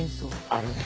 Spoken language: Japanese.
あれ？